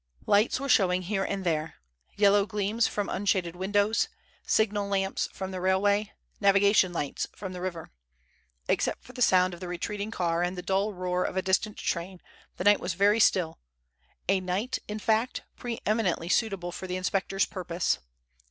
Lights were showing here and there—yellow gleams from unshaded windows, signal lamps from the railway, navigation lights from the river. Except for the sound of the retreating car and the dull roar of a distant train, the night was very still, a night, in fact, pre eminently suitable for the inspector's purpose.